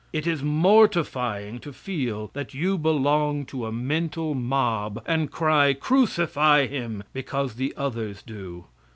It is mortifying to feel that you belong to a mental mob and cry "crucify him" because the others do.